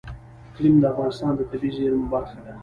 اقلیم د افغانستان د طبیعي زیرمو برخه ده.